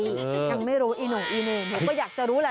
ยังไม่รู้อีหน่อยอีเหน่หรือว่าอยากจะรู้ล่ะ